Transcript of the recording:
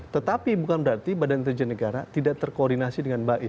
tetapi bukan berarti badan intelijen negara tidak terkoordinasi dengan baik